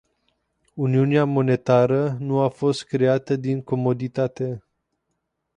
Uniunea monetară nu a fost creată din comoditate.